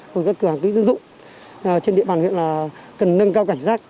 và các cửa hàng kỹ sử dụng trên địa bàn huyện là cần nâng cao cảnh sát